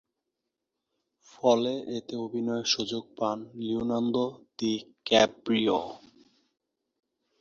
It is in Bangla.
ফলে এতে অভিনয়ের সুযোগ পান লিওনার্দো ডিক্যাপ্রিও।